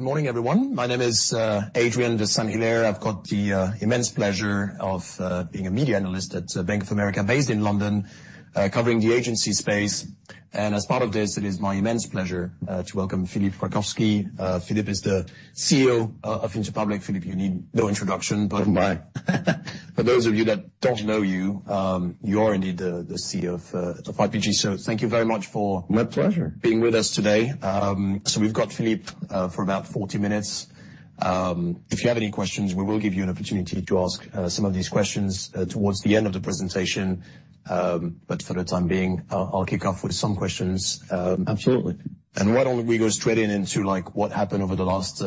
Good morning, everyone. My name is Adrien de Saint Hilaire. I've got the immense pleasure of being a Media analyst at Bank of America, based in London, covering the agency space. As part of this, it is my immense pleasure to welcome Philippe Krakowsky. Philippe is the CEO of Interpublic. Philippe, you need no introduction. For those of you that don't know you, you are indeed the CEO of IPG. So thank you very much for being with us today. So we've got Philippe for about 40 minutes. If you have any questions, we will give you an opportunity to ask some of these questions towards the end of the presentation. But for the time being, I'll kick off with some questions. Absolutely. Why don't we go straight into, like, what happened over the last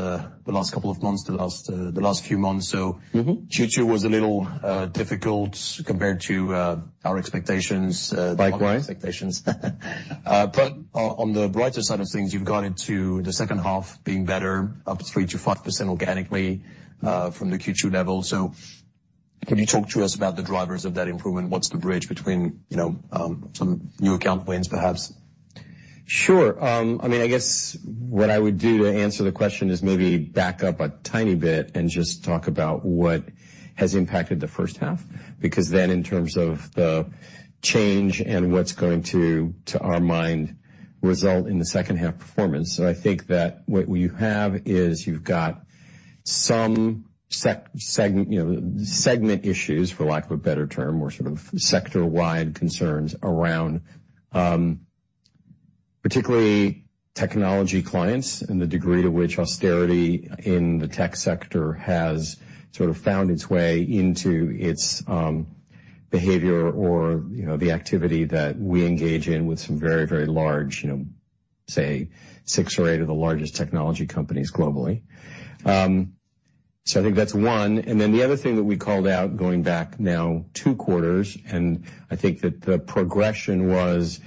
couple of months, the last few months. Q2 was a little difficult compared to our expectations. Likewise. Expectations. But on, on the brighter side of things, you've gone into the second half being better, up 3%-5% organically, from the Q2 level. So can you talk to us about the drivers of that improvement? What's the bridge between, you know, some new account wins, perhaps? Sure. I mean, I guess what I would do to answer the question is maybe back up a tiny bit and just talk about what has impacted the first half, because then in terms of the change and what's going to, to our mind, result in the second half performance. So I think that what you have is you've got some segment issues, for lack of a better term, or sort of sector-wide concerns around, particularly technology clients and the degree to which austerity in the tech sector has sort of found its way into its behavior or, you know, the activity that we engage in with some very, very large, you know, say, six or eight of the largest technology companies globally. So I think that's one. The other thing that we called out, going back now two quarters, and I think that the progression was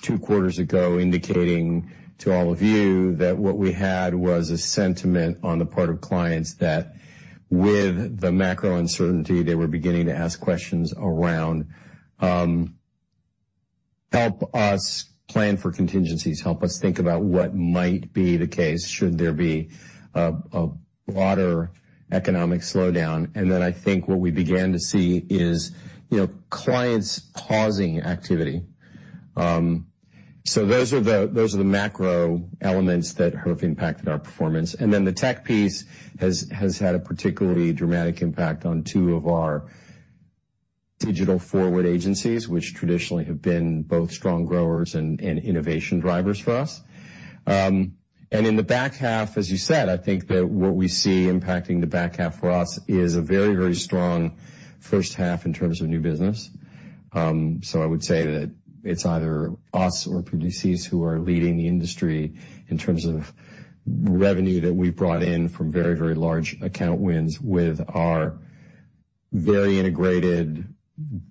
two quarters ago, indicating to all of you that what we had was a sentiment on the part of clients that with the macro uncertainty, they were beginning to ask questions around, "Help us plan for contingencies, help us think about what might be the case should there be a broader economic slowdown." I think what we began to see is, you know, clients pausing activity. So those are the, those are the macro elements that have impacted our performance. And then the tech piece has, has had a particularly dramatic impact on two of our digital forward agencies, which traditionally have been both strong growers and, and innovation drivers for us. In the back half, as you said, I think that what we see impacting the back half for us is a very, very strong first half in terms of new business. So I would say that it's either us or PDCs who are leading the industry in terms of revenue that we've brought in from very, very large account wins with our very integrated,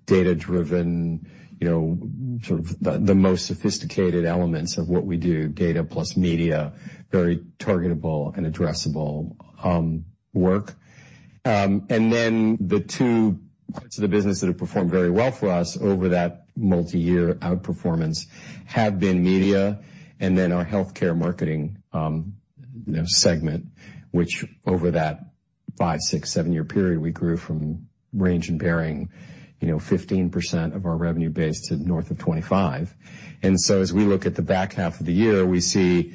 data-driven, you know, sort of the most sophisticated elements of what we do, data plus media, very targetable and addressable, work. The two parts of the business that have performed very well for us over that multi-year outperformance have been media and then our healthcare marketing, you know, segment, which over that five, six, seven-year period, we grew from range and bearing, you know, 15% of our revenue base to north of 25. So as we look at the back half of the year, we see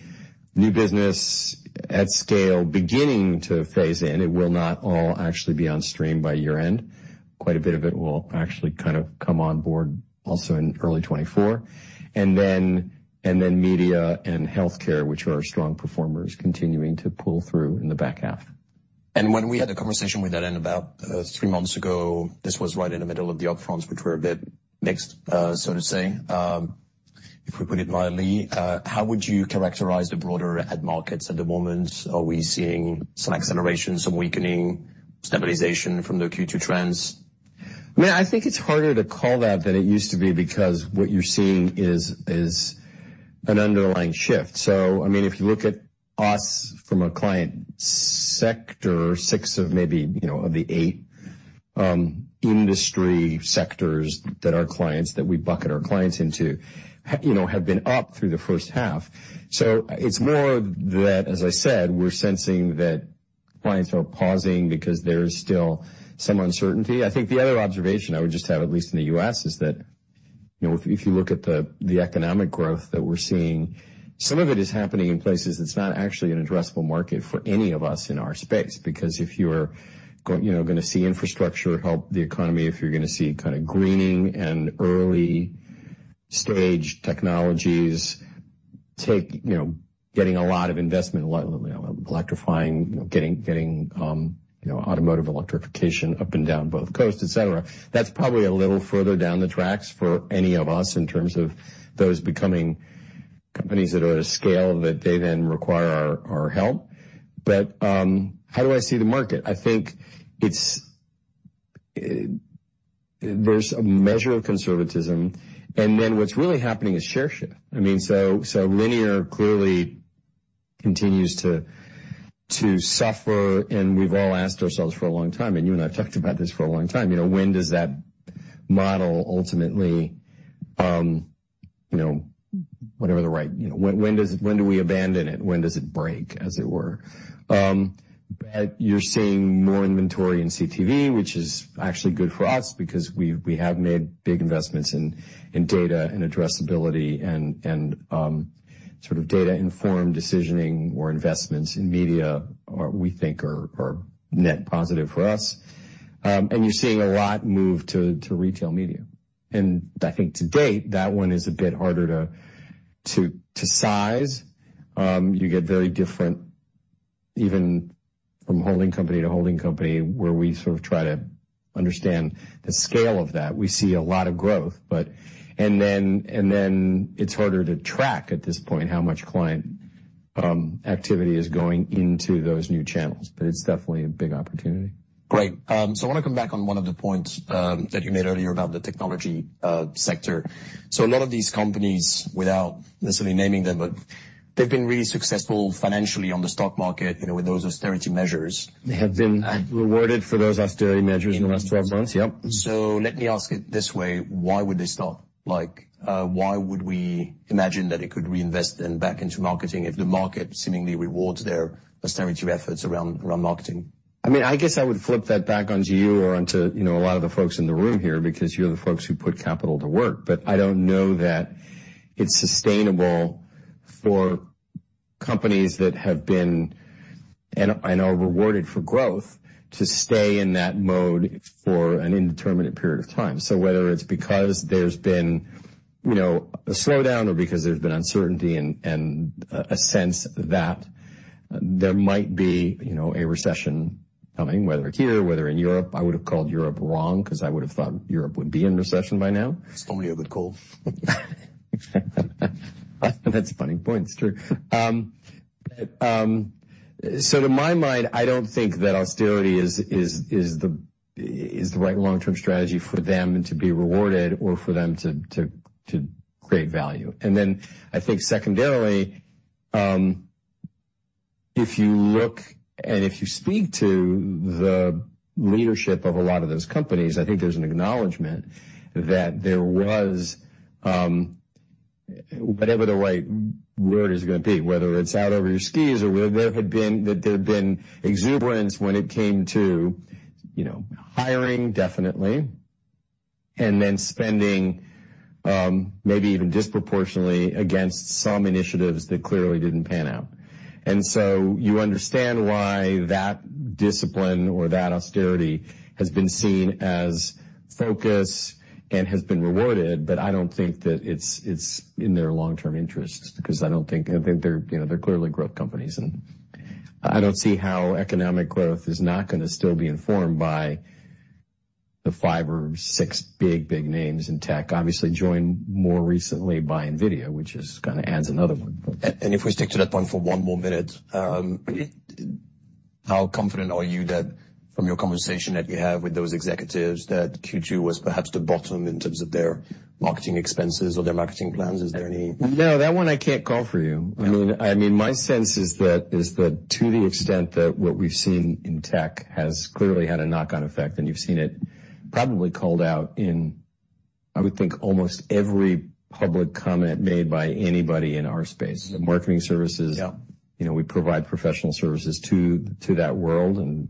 new business at scale beginning to phase in. It will not all actually be on stream by year-end. Quite a bit of it will actually kind of come on board also in early 2024. Media and healthcare, which are our strong performers, continuing to pull through in the back half. When we had a conversation with Ellen about three months ago, this was right in the middle of the Upfronts, which were a bit mixed, so to say, if we put it mildly. How would you characterize the broader ad markets at the moment? Are we seeing some acceleration, some weakening, stabilization from the Q2 trends? I mean, I think it's harder to call that than it used to be, because what you're seeing is an underlying shift. So I mean, if you look at us from a client sector, six of maybe, you know, of the eight, industry sectors that our clients, that we bucket our clients into, you know, have been up through the first half. So it's more that, as I said, we're sensing that clients are pausing because there's still some uncertainty. I think the other observation I would just have, at least in the U.S., is that, you know, if you look at the economic growth that we're seeing, some of it is happening in places that's not actually an addressable market for any of us in our space. Because if you're going, you know, gonna see infrastructure help the economy, if you're gonna see kind of greening and early stage technologies take... you know, getting a lot of investment, electrifying, getting, you know, automotive electrification up and down both coasts, et cetera, that's probably a little further down the tracks for any of us in terms of those becoming companies that are at a scale that they then require our help. But how do I see the market? I think it's, there's a measure of conservatism, and then what's really happening is share shift. I mean, so linear clearly continues to suffer, and we've all asked ourselves for a long time, and you and I have talked about this for a long time, you know, when does that model ultimately, you know, whatever the right, you know, when, when does, when do we abandon it? When does it break, as it were? You're seeing more inventory in CTV, which is actually good for us because we, we have made big investments in, in data and addressability and, and, sort of data-informed decisioning or investments in media, are—we think are, are net positive for us. You're seeing a lot move to, to retail media. I think to date, that one is a bit harder to, to, to size. You get very different, even from holding company to holding company, where we sort of try to understand the scale of that. We see a lot of growth. It's harder to track at this point, how much client activity is going into those new channels, but it's definitely a big opportunity. Great. So I want to come back on one of the points that you made earlier about the technology sector. So a lot of these companies, without necessarily naming them, but they've been really successful financially on the stock market, you know, with those austerity measures. They have been rewarded for those austerity measures in the last 12 months, yep. So let me ask it this way: Why would they stop? Like, why would we imagine that it could reinvest then back into marketing, if the market seemingly rewards their austerity efforts around marketing? I mean, I guess I would flip that back onto you or onto, you know, a lot of the folks in the room here, because you're the folks who put capital to work. But I don't know that it's sustainable for companies that have been, and are rewarded for growth, to stay in that mode for an indeterminate period of time. So whether it's because there's been, you know, a slowdown or because there's been uncertainty and a sense that there might be, you know, a recession coming, whether here, whether in Europe, I would have called Europe wrong, because I would have thought Europe would be in recession by now. Still only a good call. That's a funny point. It's true. So to my mind, I don't think that austerity is the right long-term strategy for them to be rewarded or for them to create value. I think secondarily, if you look and if you speak to the leadership of a lot of those companies, I think there's an acknowledgment that there was whatever the right word is going to be, whether it's out over your skis or that there had been exuberance when it came to, you know, hiring, definitely, and then spending, maybe even disproportionately against some initiatives that clearly didn't pan out. You understand why that discipline or that austerity has been seen as focus and has been rewarded, but I don't think that it's, it's in their long-term interests, because I don't think, I think they're, you know, they're clearly growth companies, and I don't see how economic growth is not gonna still be informed by the five or six big, big names in tech. Obviously, joined more recently by NVIDIA, which is, kind of adds another one. If we stick to that point for one more minute, how confident are you that from your conversation that you have with those executives, that Q2 was perhaps the bottom in terms of their marketing expenses or their marketing plans? Is there any? No, that one I can't call for you. Yeah. I mean, my sense is that to the extent that what we've seen in tech has clearly had a knock-on effect, and you've seen it probably called out in, I would think, almost every public comment made by anybody in our space. Marketing services. Yeah. You know, we provide professional services to that world, and,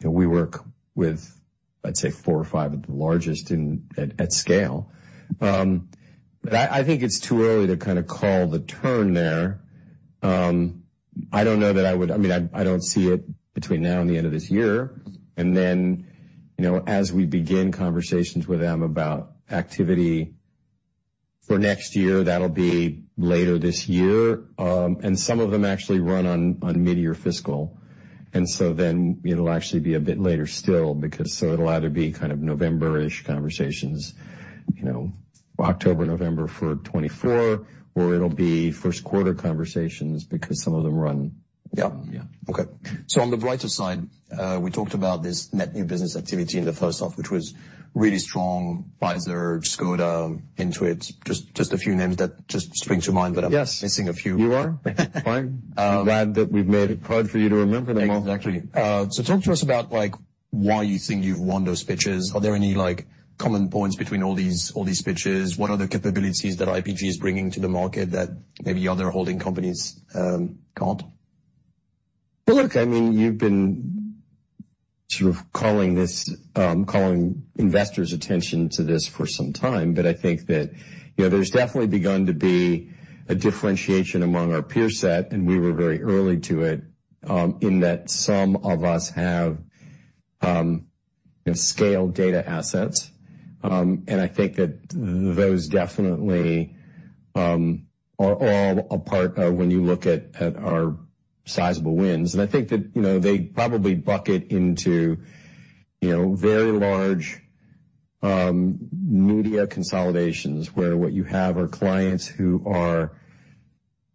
you know, we work with, I'd say, four or five of the largest and at scale. But I think it's too early to kind of call the turn there. I don't know that I would... I mean, I don't see it between now and the end of this year. You know, as we begin conversations with them about activity for next year, that'll be later this year. Some of them actually run on mid-year fiscal. And so then it'll actually be a bit later still, because it'll either be kind of November-ish conversations, you know, October, November for 2024, or it'll be first quarter conversations because some of them run- Yeah. Yeah. Okay. So on the brighter side, we talked about this net new business activity in the first half, which was really strong. Pfizer, Škoda, Intuit, just, just a few names that just spring to mind. Yes. But I'm missing a few. You are? Fine. I'm glad that we've made it hard for you to remember them all, actually. So talk to us about, like, why you think you've won those pitches. Are there any, like, common points between all these, all these pitches? What are the capabilities that IPG is bringing to the market that maybe other holding companies can't? Well, look, I mean, you've been sort of calling investors' attention to this for some time, but I think that, you know, there's definitely begun to be a differentiation among our peer set, and we were very early to it, in that some of us have scale data assets. And I think that those definitely are all a part of when you look at our sizable wins. And I think that, you know, they probably bucket into, you know, very large media consolidations, where what you have are clients who are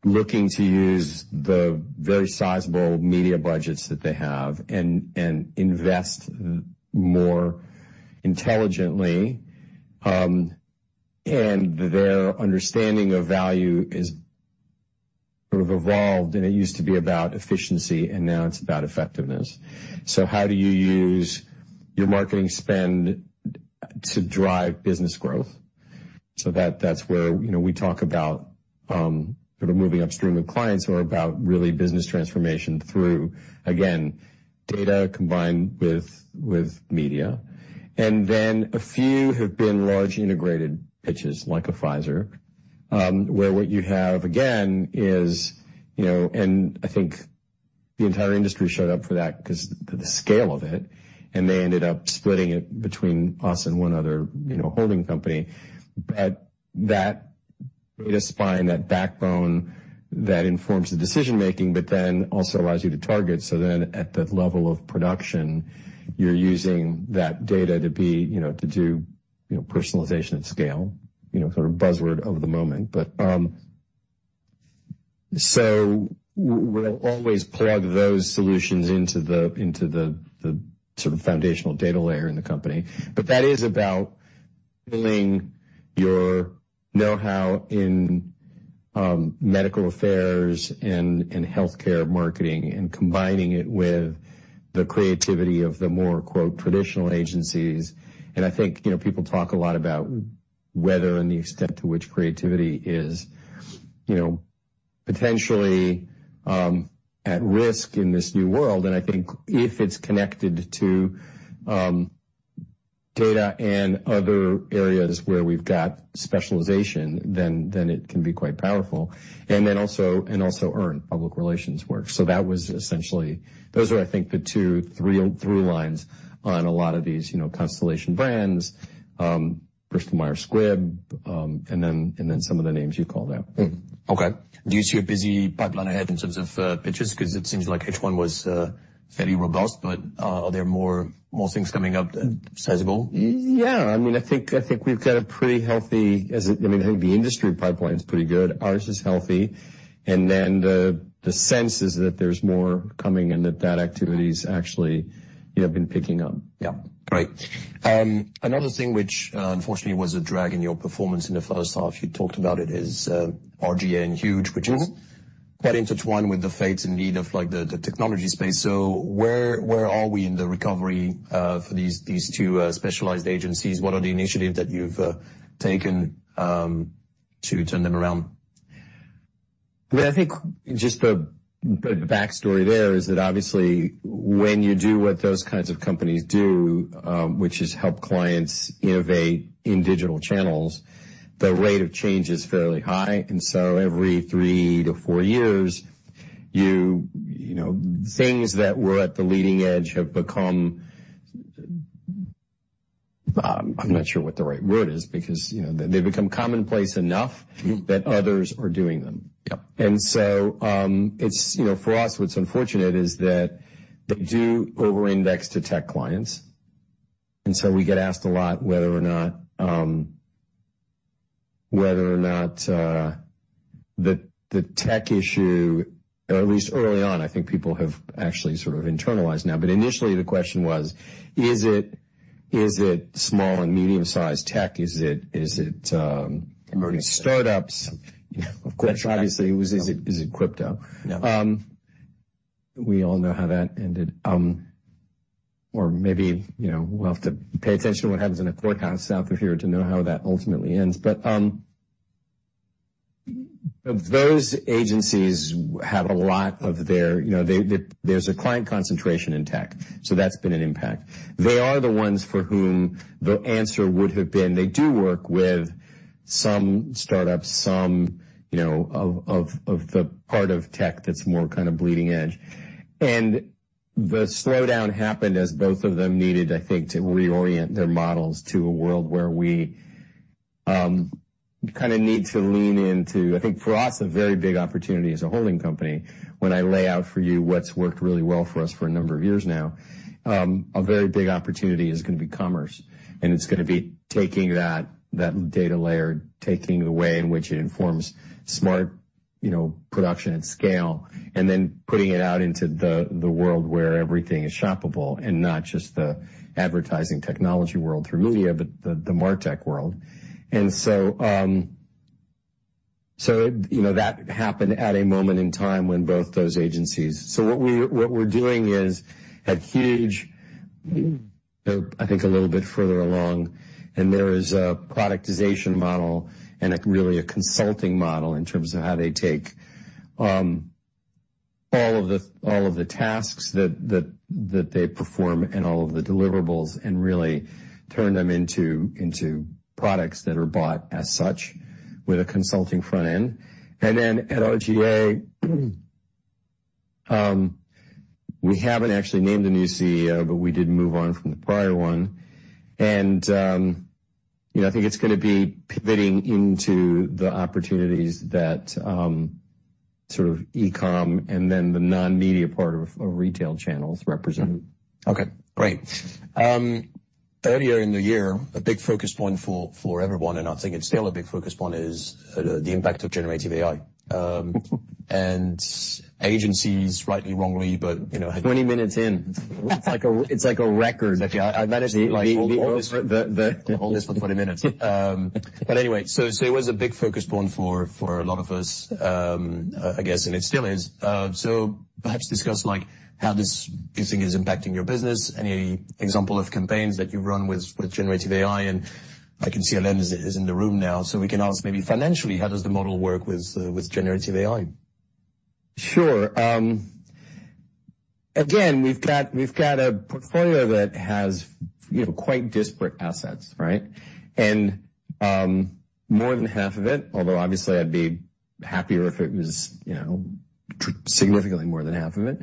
looking to use the very sizable media budgets that they have and invest more intelligently. And their understanding of value is sort of evolved, and it used to be about efficiency, and now it's about effectiveness. So how do you use your marketing spend to drive business growth? So that's where, you know, we talk about, sort of moving upstream with clients or about really business transformation through, again, data combined with media. And then a few have been large integrated pitches, like a Pfizer, where what you have, again, is, you know, and I think the entire industry showed up for that because the scale of it, and they ended up splitting it between us and one other, you know, holding company. But that data spine, that backbone, that informs the decision making, but then also allows you to target. So then at the level of production, you're using that data to be, you know, to do, you know, personalization at scale, you know, sort of buzzword of the moment. But so we'll always plug those solutions into the sort of foundational data layer in the company. But that is about building your know-how in medical affairs and healthcare marketing and combining it with the creativity of the more, quote, traditional agencies. And I think, you know, people talk a lot about whether and the extent to which creativity is, you know, potentially at risk in this new world. And I think if it's connected to data and other areas where we've got specialization, then it can be quite powerful, and then also earn public relations work. So that was essentially... Those are, I think, the two, three through lines on a lot of these, you know, Constellation Brands, Bristol-Myers Squibb, and then some of the names you called out. Okay. Do you see a busy pipeline ahead in terms of pitches? Because it seems like H1 was fairly robust, but are there more things coming up sizable? Yeah, I mean, I think, I think we've got a pretty healthy, I mean, I think the industry pipeline is pretty good. Ours is healthy. And then the sense is that there's more coming and that activity is actually, you know, been picking up. Yeah, great. Another thing which, unfortunately, was a drag in your performance in the first half, you talked about it, is R/GA and Huge which is quite intertwined with the fates and need of like the technology space. So where are we in the recovery for these two specialized agencies? What are the initiatives that you've taken to turn them around? I think just the backstory there is that obviously, when you do what those kinds of companies do, which is help clients innovate in digital channels, the rate of change is fairly high. And so every three to four years, you know, things that were at the leading edge have become... I'm not sure what the right word is, because, you know, they've become commonplace enough that others are doing them. Yep. And so, it's, you know, for us, what's unfortunate is that they do over-index to tech clients, and so we get asked a lot whether or not, whether or not, the tech issue, or at least early on, I think people have actually sort of internalized now. But initially, the question was, is it small and medium-sized tech? Is it emerging startups? Yep. Of course, obviously, it was, is it crypto? Yeah. We all know how that ended. Or maybe, you know, we'll have to pay attention to what happens in a courthouse south of here to know how that ultimately ends. But, those agencies have a lot of their... You know, they, there's a client concentration in tech, so that's been an impact. They are the ones for whom the answer would have been, they do work with some startups, some, you know, of the part of tech that's more kind of bleeding edge. And the slowdown happened as both of them needed, I think, to reorient their models to a world where we kind of need to lean into - I think for us, a very big opportunity as a holding company, when I lay out for you what's worked really well for us for a number of years now, a very big opportunity is going to be commerce, and it's going to be taking that, that data layer, taking the way in which it informs smart, you know, production at scale, and then putting it out into the, the world where everything is shoppable, and not just the advertising technology world through media, but the martech world. And so, so, you know, that happened at a moment in time when both those agencies. So what we, what we're doing is at Huge, they're, I think, a little bit further along, and there is a productization model and really a consulting model in terms of how they take all of the tasks that they perform and all of the deliverables, and really turn them into products that are bought as such with a consulting front end. And then at R/GA, we haven't actually named a new CEO, but we did move on from the prior one. And, you know, I think it's going to be pivoting into the opportunities that sort of e-com and then the non-media part of retail channels represent. Okay, great. Earlier in the year, a big focus point for, for everyone, and I think it's still a big focus point, is, the impact of generative AI. And agencies, rightly, wrongly, but, you know. 20 minutes in. It's like a, it's like a record, actually. I managed to like- Hold this for 20 minutes. Anyway, it was a big focus point for a lot of us, I guess, and it still is. Perhaps discuss, like, how this you think is impacting your business. Any example of campaigns that you've run with generative AI, and I can see Ellen is in the room now, so we can ask maybe financially, how does the model work with generative AI? Sure. Again, we've got, we've got a portfolio that has, you know, quite disparate assets, right? And, more than half of it, although obviously I'd be happier if it was, you know, significantly more than half of it,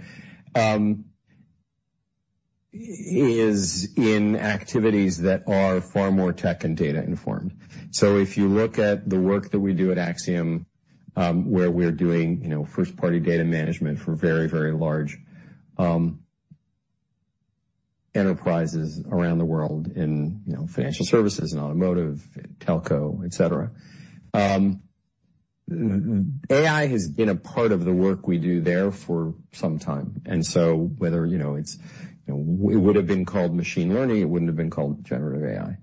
is in activities that are far more tech and data informed. So if you look at the work that we do at Acxiom, where we're doing, you know, first-party data management for very, very large, enterprises around the world in, you know, financial services and automotive, telco, et cetera. AI has been a part of the work we do there for some time, and so whether, you know, it's, it would have been called machine learning, it wouldn't have been called generative AI.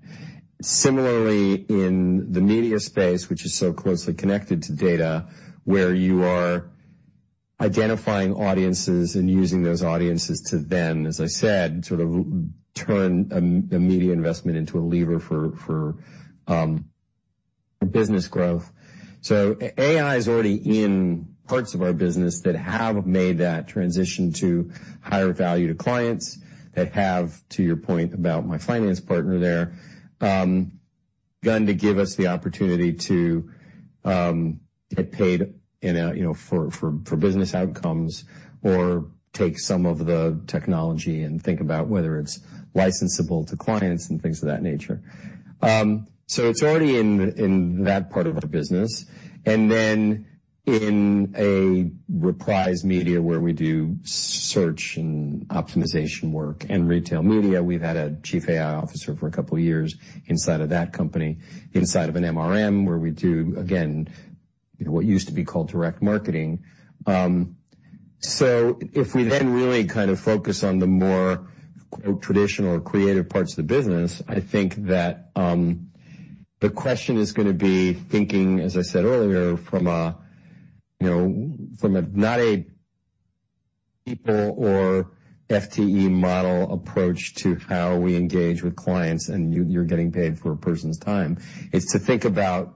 Similarly, in the media space, which is so closely connected to data, where you are identifying audiences and using those audiences to then, as I said, sort of turn a media investment into a lever for business growth. So AI is already in parts of our business that have made that transition to higher value to clients, that have, to your point about my finance partner there, gone to give us the opportunity to get paid in a, you know, for business outcomes, or take some of the technology and think about whether it's licensable to clients and things of that nature. So it's already in that part of our business. And then in Reprise Media, where we do search and optimization work and retail media, we've had a chief AI officer for a couple of years inside of that company, inside of an MRM, where we do, again, what used to be called direct marketing. So if we then really kind of focus on the more traditional or creative parts of the business, I think that, the question is gonna be thinking, as I said earlier, from a, you know, from a not a people or FTE model approach to how we engage with clients, and you, you're getting paid for a person's time. It's to think about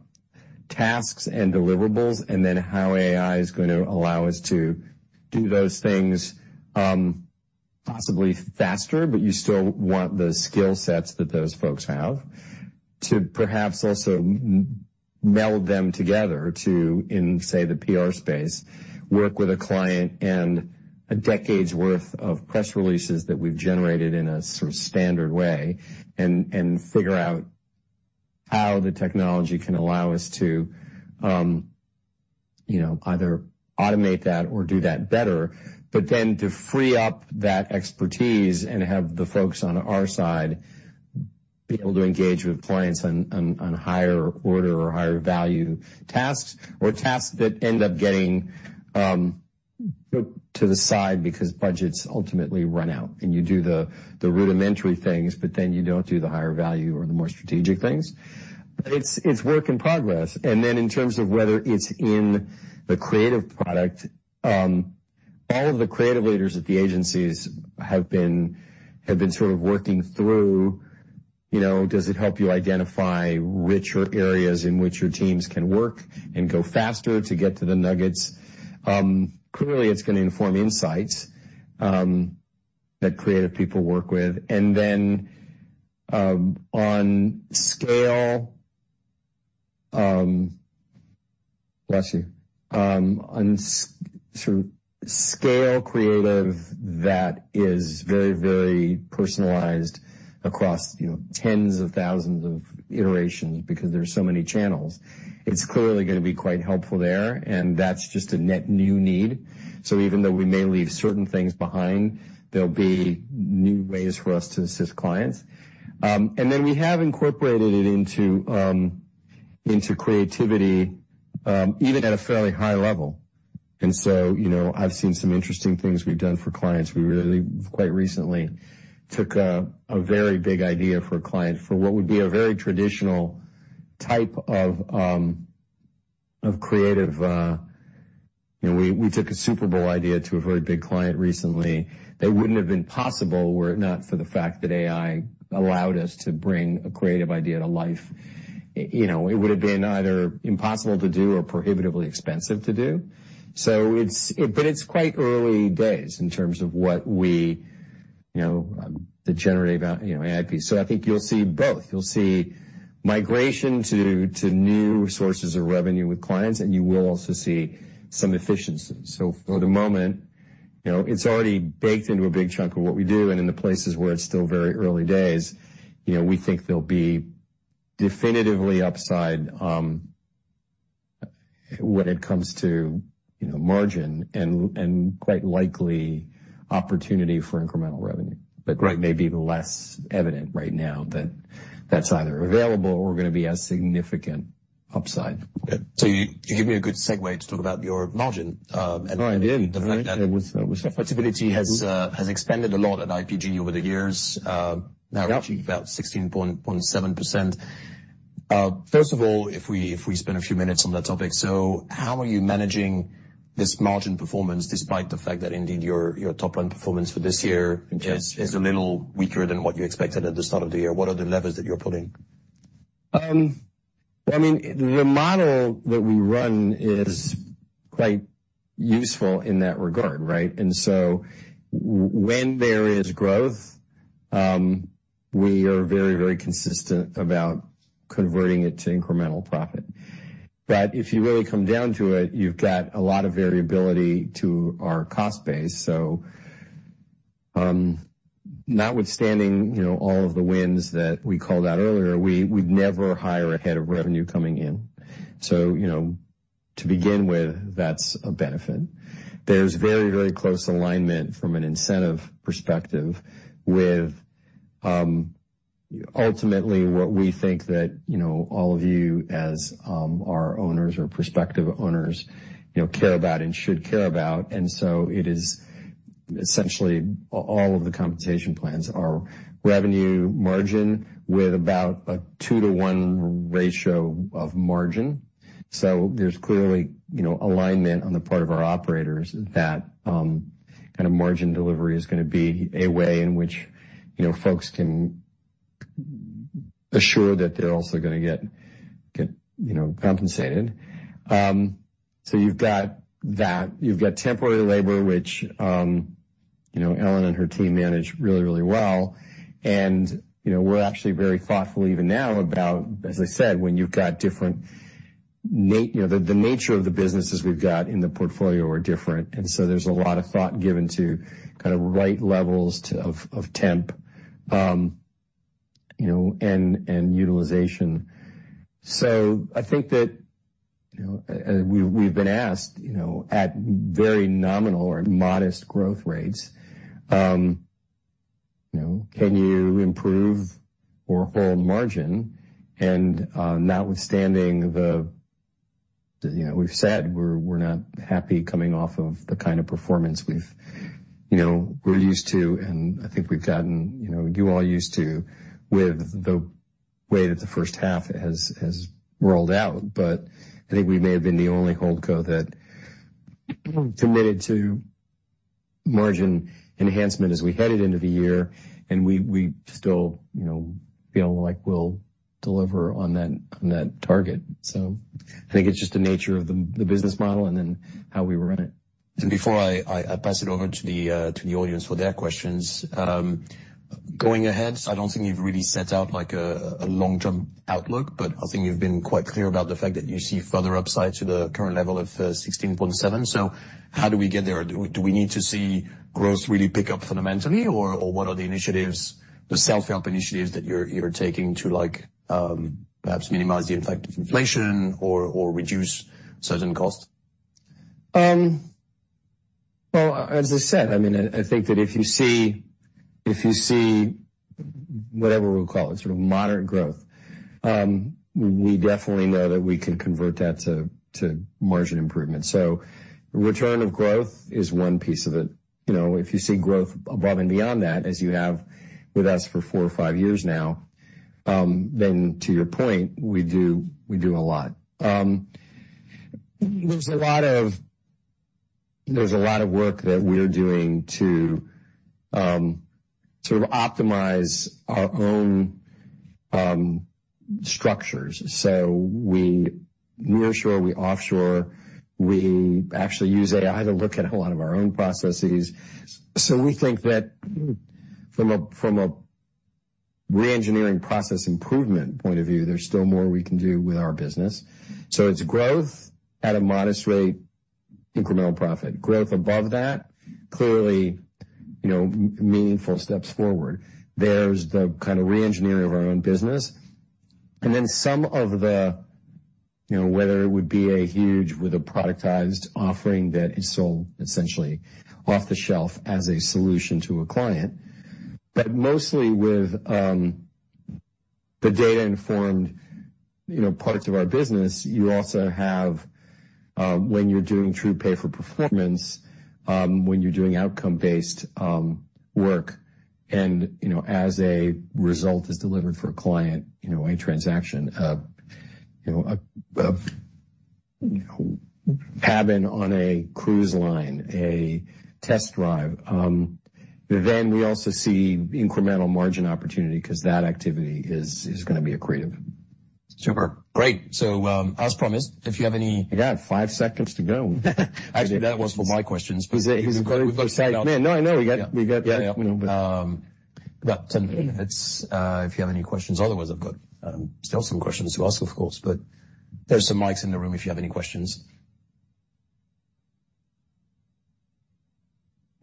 tasks and deliverables and then how AI is going to allow us to do those things, possibly faster, but you still want the skill sets that those folks have. To perhaps also meld them together to, in, say, the PR space, work with a client and a decade's worth of press releases that we've generated in a sort of standard way, and figure out how the technology can allow us to, you know, either automate that or do that better, but then to free up that expertise and have the folks on our side be able to engage with clients on higher order or higher value tasks, or tasks that end up getting to the side because budgets ultimately run out, and you do the rudimentary things, but then you don't do the higher value or the more strategic things. But it's work in progress. And then in terms of whether it's in the creative product, all of the creative leaders at the agencies have been sort of working through, you know, does it help you identify richer areas in which your teams can work and go faster to get to the nuggets? Clearly, it's going to inform insights that creative people work with. And then, on scale... Bless you. On sort of scale creative that is very, very personalized across, you know, tens of thousands of iterations because there's so many channels. It's clearly going to be quite helpful there, and that's just a net new need. So even though we may leave certain things behind, there'll be new ways for us to assist clients. And then we have incorporated it into creativity even at a fairly high level. And so, you know, I've seen some interesting things we've done for clients. We really, quite recently, took a very big idea for a client for what would be a very traditional type of creative. You know, we took a Super Bowl idea to a very big client recently that wouldn't have been possible were it not for the fact that AI allowed us to bring a creative idea to life. You know, it would have been either impossible to do or prohibitively expensive to do. So it's but it's quite early days in terms of what we, you know, the generative, you know, AI piece. So I think you'll see both. You'll see migration to new sources of revenue with clients, and you will also see some efficiencies. For the moment, you know, it's already baked into a big chunk of what we do, and in the places where it's still very early days, you know, we think there'll be definitively upside when it comes to, you know, margin and, and quite likely, opportunity for incremental revenue. Right. May be less evident right now that that's either available or going to be a significant upside. So you gave me a good segue to talk about your margin. Oh, I did. The fact that profitability has has expanded a lot at IPG over the years, now reaching about 16.7%. First of all, if we spend a few minutes on that topic, so how are you managing this margin performance, despite the fact that indeed, your top line performance for this year is a little weaker than what you expected at the start of the year? What are the levers that you're pulling? I mean, the model that we run is quite useful in that regard, right? And so when there is growth, we are very, very consistent about converting it to incremental profit. But if you really come down to it, you've got a lot of variability to our cost base. So, notwithstanding, you know, all of the wins that we called out earlier, we, we've never hire ahead of revenue coming in. So, you know, to begin with, that's a benefit. There's very, very close alignment from an incentive perspective with, ultimately, what we think that, you know, all of you as, our owners or prospective owners, you know, care about and should care about. And so it is essentially, all of the compensation plans are revenue margin with about a 2-to-1 ratio of margin. So there's clearly, you know, alignment on the part of our operators that kind of margin delivery is gonna be a way in which, you know, folks can assure that they're also gonna get, you know, compensated. So you've got that. You've got temporary labor, which, you know, Ellen and her team manage really, really well. And, you know, we're actually very thoughtful even now about, as I said, when you've got different, you know, the nature of the businesses we've got in the portfolio are different, and so there's a lot of thought given to kind of right levels of temp, you know, and utilization. So I think that, you know, we've been asked, you know, at very nominal or modest growth rates, "Can you improve or hold margin?" And, notwithstanding the, you know, we've said, we're not happy coming off of the kind of performance we've... You know, we're used to, and I think we've gotten, you know, you all used to, with the way that the first half has rolled out. But I think we may have been the only hold co that committed to margin enhancement as we headed into the year, and we still, you know, feel like we'll deliver on that, on that target. So I think it's just the nature of the business model and then how we run it. Before I pass it over to the audience for their questions, going ahead, I don't think you've really set out, like, a long-term outlook, but I think you've been quite clear about the fact that you see further upside to the current level of 16.7. So how do we get there? Do we need to see growth really pick up fundamentally, or what are the initiatives, the self-help initiatives that you're taking to like, perhaps minimize the impact of inflation or reduce certain costs? Well, as I said, I mean, I think that if you see whatever we'll call it, sort of moderate growth, we definitely know that we can convert that to margin improvement. So return of growth is one piece of it. You know, if you see growth above and beyond that, as you have with us for 4 or 5 years now, then to your point, we do a lot. There's a lot of work that we're doing to sort of optimize our own structures. So we nearshore, we offshore, we actually use AI to look at a lot of our own processes. So we think that from a reengineering process improvement point of view, there's still more we can do with our business. So it's growth at a modest rate, incremental profit. Growth above that, clearly, you know, meaningful steps forward. There's the kind of reengineering of our own business. And then some of the, you know, whether it would be a Huge, with a productized offering that is sold essentially off the shelf as a solution to a client, but mostly with the data-informed, you know, parts of our business, you also have when you're doing true pay for performance, when you're doing outcome-based work, and, you know, as a result is delivered for a client, you know, a transaction, you know, a cabin on a cruise line, a test drive, then we also see incremental margin opportunity because that activity is gonna be accretive. Super. Great. So, as promised, if you have any. You got five seconds to go. Actually, that was for my questions. He's got it. No, I know. Yeah. We got, yeah. But it's if you have any questions otherwise. I've got still some questions to ask, of course, but there's some mics in the room if you have any questions.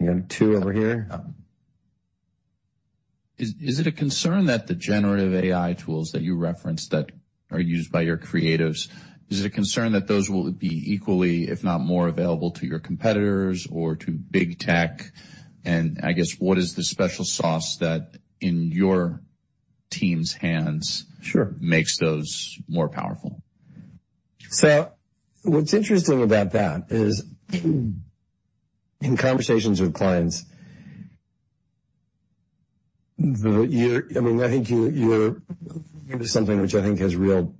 You got two over here? Is it a concern that the generative AI tools that you referenced that are used by your creatives, is it a concern that those will be equally, if not more, available to your competitors or to big tech? And I guess, what is the special sauce that in your team's hands makes those more powerful? So what's interesting about that is, in conversations with clients, I mean, I think you, you're into something which I think has real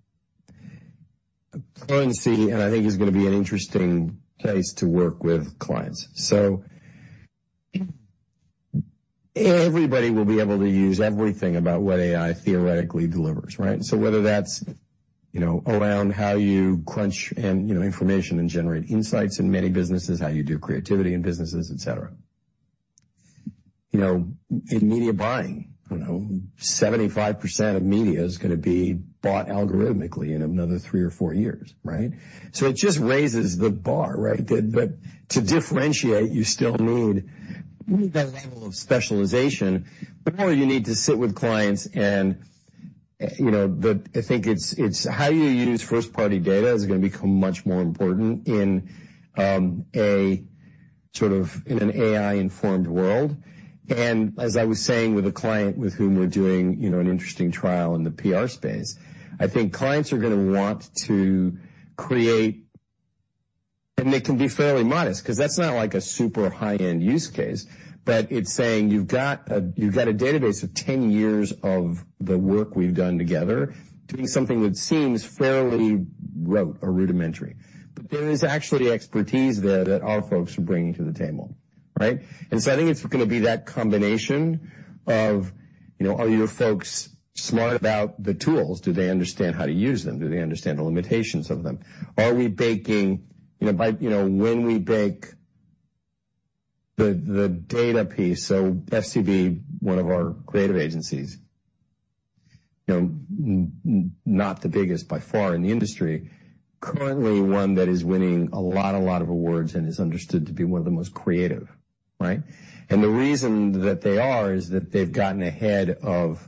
currency, and I think is gonna be an interesting place to work with clients. So everybody will be able to use everything about what AI theoretically delivers, right? So whether that's, you know, around how you crunch and, you know, information and generate insights in many businesses, how you do creativity in businesses, et cetera. You know, in media buying, you know, 75% of media is gonna be bought algorithmically in another three or four years, right? So it just raises the bar, right? But to differentiate, you still need, you need that level of specialization, but more, you need to sit with clients and, you know. I think it's how you use first-party data is gonna become much more important in a sort of AI-informed world. And as I was saying with a client with whom we're doing, you know, an interesting trial in the PR space, I think clients are gonna want to create, and they can be fairly modest, 'cause that's not like a super high-end use case, but it's saying you've got a database of 10 years of the work we've done together, doing something that seems fairly rote or rudimentary. But there is actually expertise there that our folks are bringing to the table, right? And so I think it's gonna be that combination of, you know, are your folks smart about the tools? Do they understand how to use them? Do they understand the limitations of them? Are we baking, you know, by you know, when we bake the data piece, so FCB, one of our creative agencies, you know, not the biggest by far in the industry, currently one that is winning a lot, a lot of awards and is understood to be one of the most creative, right? And the reason that they are, is that they've gotten ahead of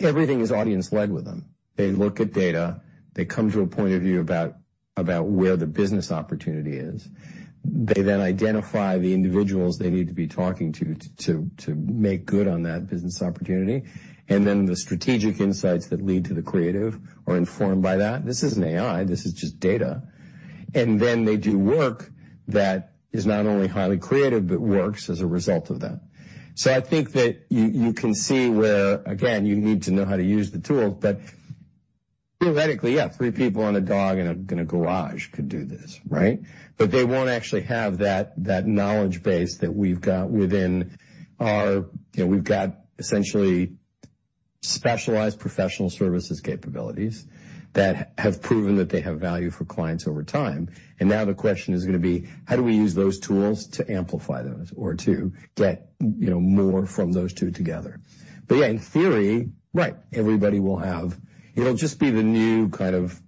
Everything is audience-led with them. They look at data, they come to a point of view about where the business opportunity is. They then identify the individuals they need to be talking to to make good on that business opportunity, and then the strategic insights that lead to the creative are informed by that. This isn't AI, this is just data. And then they do work that is not only highly creative, but works as a result of that. So I think that you can see where, again, you need to know how to use the tools, but theoretically, yeah, three people and a dog in a garage could do this, right? But they won't actually have that knowledge base that we've got within our... You know, we've got essentially specialized professional services capabilities that have proven that they have value for clients over time. And now the question is gonna be: how do we use those tools to amplify those or to get, you know, more from those two together? But yeah, in theory, right, everybody will have... It'll just be the new kind of,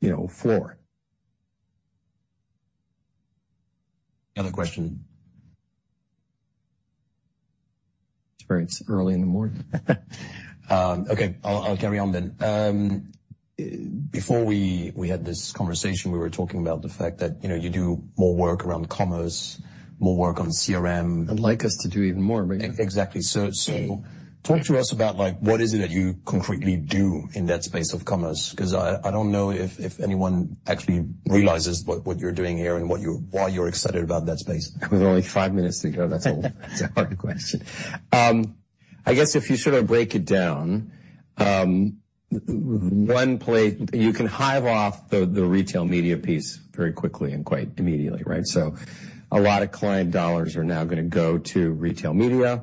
you know, floor. Another question. It's very early in the morning. Okay, I'll carry on then. Before we had this conversation, we were talking about the fact that, you know, you do more work around commerce, more work on CRM. I'd like us to do even more. Exactly. So talk to us about, like, what is it that you concretely do in that space of commerce? Because I don't know if anyone actually realizes what you're doing here and why you're excited about that space. With only five minutes to go, that's a, that's a hard question. I guess if you sort of break it down, one place you can hive off the retail media piece very quickly and quite immediately, right? So a lot of client dollars are now gonna go to retail media.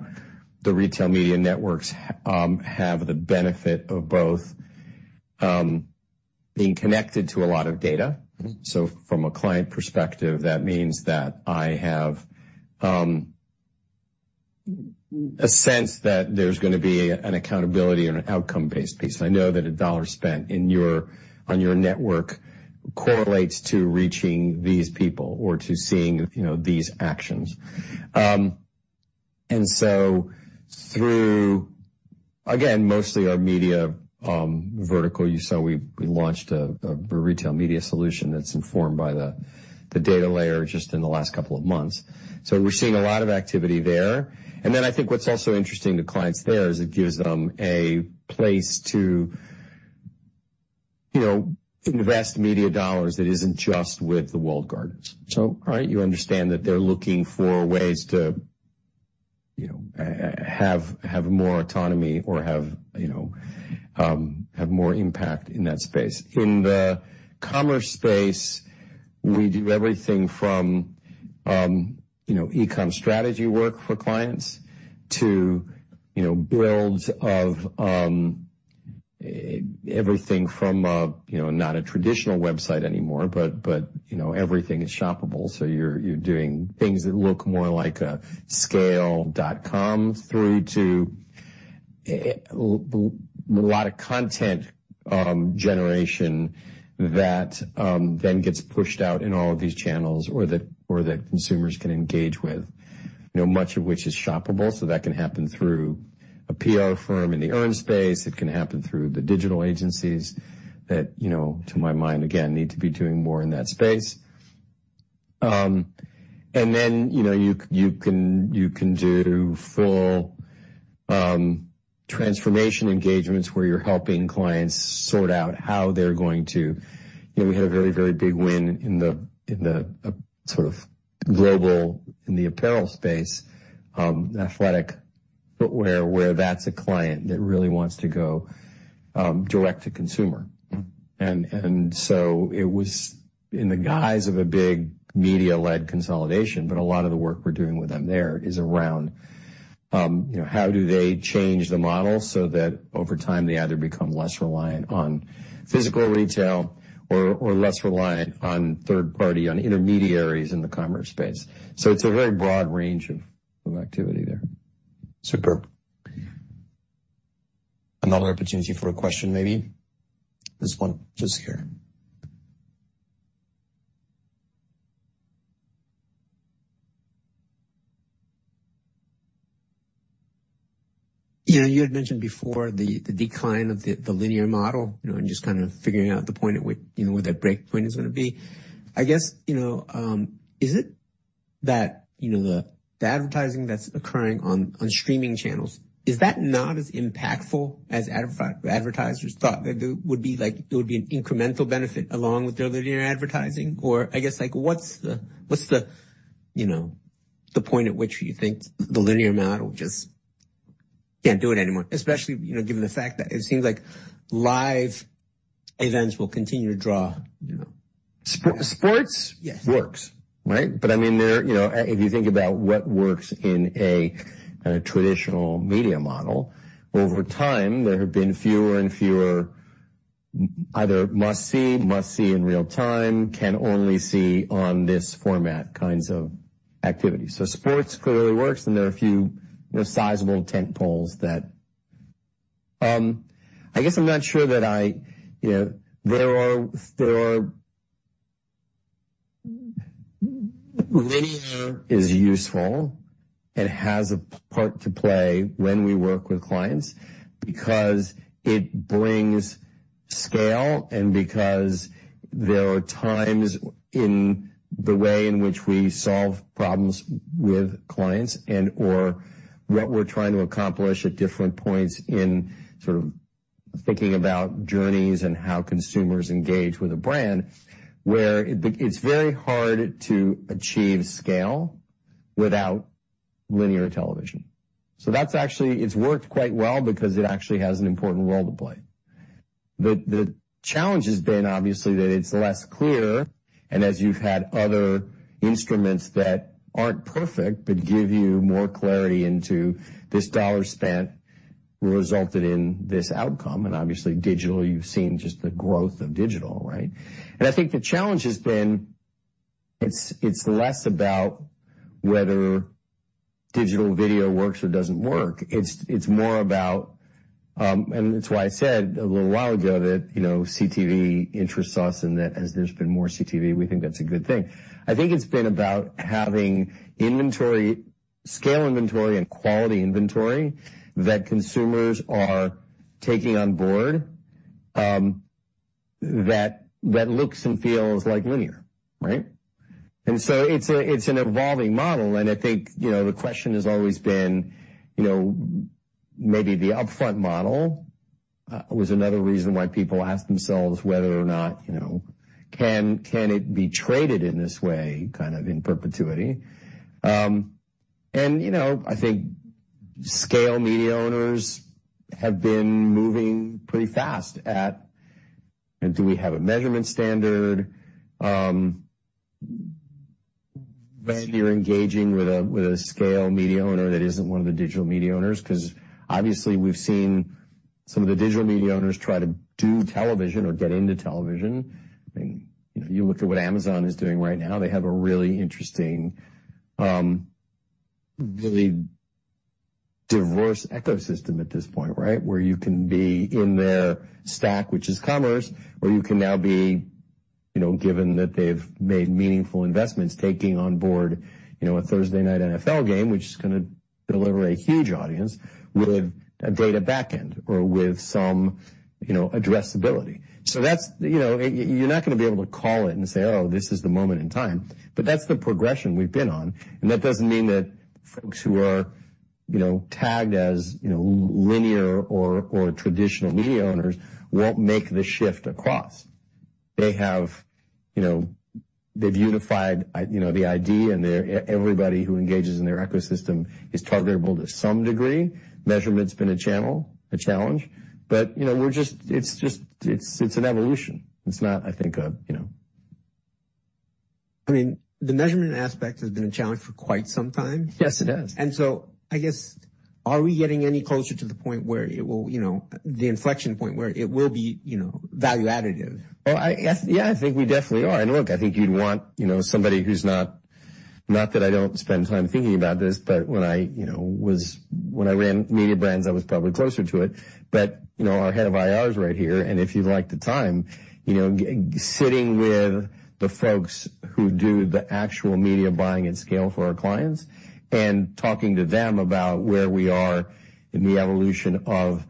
The retail media networks have the benefit of both, being connected to a lot of data. So from a client perspective, that means that I have a sense that there's gonna be an accountability and an outcome-based piece. I know that a dollar spent in your—on your network correlates to reaching these people or to seeing, you know, these actions. And so through, again, mostly our media vertical, you saw, we launched a retail media solution that's informed by the data layer just in the last couple of months. So we're seeing a lot of activity there. And then I think what's also interesting to clients there is it gives them a place to, you know, invest media dollars that isn't just with the walled gardens. So, right, you understand that they're looking for ways to, you know, have more autonomy or have, you know, have more impact in that space. In the commerce space, we do everything from, you know, e-com strategy work for clients to, you know, builds of everything from a, you know, not a traditional website anymore, but, you know, everything is shoppable. So you're doing things that look more like a scale.com through to a lot of content generation that then gets pushed out in all of these channels or that consumers can engage with, you know, much of which is shoppable. So that can happen through a PR firm in the earn space, it can happen through the digital agencies that, you know, to my mind, again, need to be doing more in that space. And then, you know, you can do full transformation engagements where you're helping clients sort out how they're going to. You know, we had a very, very big win in the sort of global apparel space, athletic footwear, where that's a client that really wants to go direct to consumer. And so it was in the guise of a big media-led consolidation, but a lot of the work we're doing with them there is around you know, how do they change the model so that over time, they either become less reliant on physical retail or less reliant on third party intermediaries in the commerce space. So it's a very broad range of activity there. Superb. Another opportunity for a question, maybe. There's one just here. You know, you had mentioned before the decline of the linear model, you know, and just kind of figuring out the point at which, you know, where that breakpoint is gonna be. I guess, you know, is it that, you know, the advertising that's occurring on streaming channels, is that not as impactful as advertisers thought that there would be? Like, it would be an incremental benefit along with their linear advertising? Or I guess, like, what's the, you know, the point at which you think the linear model just can't do it anymore? Especially, you know, given the fact that it seems like live events will continue to draw, you know. Sports works, right? But I mean, there you know, if you think about what works in a traditional media model, over time, there have been fewer and fewer either must-see, must-see in real time, can only see on this format, kinds of activities. So sports clearly works, and there are a few, you know, sizable tentpoles that I guess I'm not sure that I, you know, there are linear is useful and has a part to play when we work with clients, because it brings scale and because there are times in the way in which we solve problems with clients and/or what we're trying to accomplish at different points in sort of thinking about journeys and how consumers engage with a brand, where it, it's very hard to achieve scale without linear television. So that's actually, it's worked quite well because it actually has an important role to play. The challenge has been, obviously, that it's less clear, and as you've had other instruments that aren't perfect, but give you more clarity into this dollar spent, resulted in this outcome, and obviously, digital, you've seen just the growth of digital, right? And I think the challenge has been, it's less about whether digital video works or doesn't work. It's more about, and that's why I said a little while ago that, you know, CTV interests us, and that as there's been more CTV, we think that's a good thing. I think it's been about having inventory, scale inventory and quality inventory that consumers are taking on board, that looks and feels like linear, right? And so it's an evolving model, and I think, you know, the question has always been, you know, maybe the upfront model was another reason why people ask themselves whether or not, you know, can it be traded in this way, kind of in perpetuity? And, you know, I think scale media owners have been moving pretty fast, and do we have a measurement standard? When you're engaging with a scale media owner that isn't one of the digital media owners, 'cause obviously we've seen some of the digital media owners try to do television or get into television. I mean, if you look at what Amazon is doing right now, they have a really interesting, really diverse ecosystem at this point, right? Where you can be in their stack, which is commerce, or you can now be, you know, given that they've made meaningful investments, taking on board, you know, a Thursday night NFL game, which is gonna deliver a huge audience with a data back end or with some, you know, addressability. So that's, you know, you're not gonna be able to call it and say, "Oh, this is the moment in time," but that's the progression we've been on. And that doesn't mean that folks who are, you know, tagged as, you know, linear or traditional media owners won't make the shift across. They have, you know, they've unified, you know, the ID, and everybody who engages in their ecosystem is targetable to some degree. Measurement's been a channel, a challenge, but, you know, we're just... It's just an evolution. It's not, I think, you know. I mean, the measurement aspect has been a challenge for quite some time. Yes, it has. And so I guess, are we getting any closer to the point where it will, you know, the inflection point where it will be, you know, value additive? Well, I, yes, yeah, I think we definitely are. And look, I think you'd want, you know, somebody who's not... Not that I don't spend time thinking about this, but when I, you know, was, when I ran media brands, I was probably closer to it. But, you know, our head of IR is right here, and if you'd like the time, you know, sitting with the folks who do the actual media buying and scale for our clients and talking to them about where we are in the evolution of...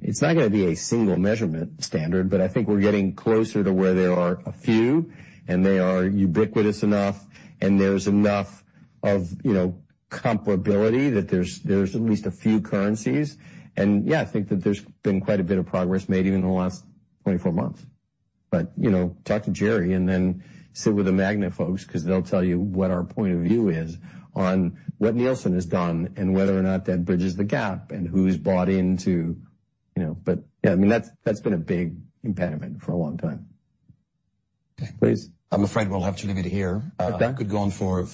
It's not gonna be a single measurement standard, but I think we're getting closer to where there are a few, and they are ubiquitous enough, and there's enough of, you know, comparability, that there's, there's at least a few currencies. And, yeah, I think that there's been quite a bit of progress made even in the last 24 months. But, you know, talk to Jerry and then sit with the MAGNA folks, 'cause they'll tell you what our point of view is on what Nielsen has done and whether or not that bridges the gap and who's bought into, you know... But, yeah, I mean, that's, that's been a big impediment for a long time. Please. I'm afraid we'll have to leave it here. Okay. We could go on for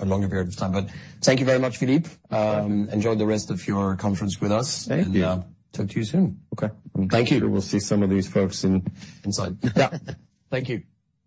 a longer period of time, but thank you very much, Philippe. Thank you. Enjoy the rest of your conference with us. Thank you. And, talk to you soon. Okay. Thank you. We'll see some of these folks inside. Yeah. Thank you.